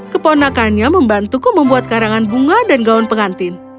keponakannya membantuku membuat karangan bunga dan gaun pengantin